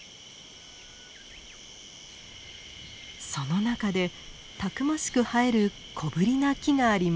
その中でたくましく生える小ぶりな木があります。